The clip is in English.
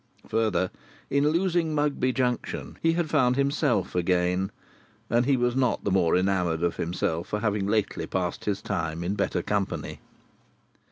Further, in losing Mugby Junction he had found himself again; and he was not the more enamoured of himself for having lately passed his time in better company.